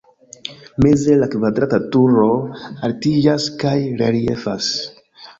Meze la kvadrata turo altiĝas kaj reliefas.